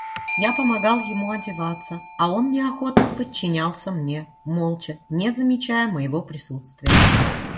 Я помогал ему одеваться, а он неохотно подчинялся мне, молча, не замечая моего присутствия.